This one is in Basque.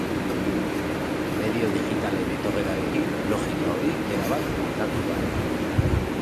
Medio digitalen etorrerarekin logika hori erabat aldatu da.